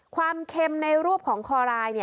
ความเข็มในรูปของคอไลน์